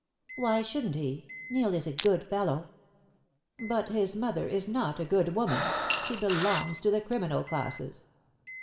"Why shouldn't he? Neil is a good fellow!" "But his mother is not a good woman. She belongs to the criminal classes."